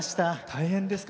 大変ですか？